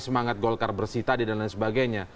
semangat golkar bersih tadi dan lain sebagainya